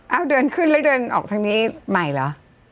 เอาเดินขึ้นแล้วเดินออกทางนี้ใหม่เหรอ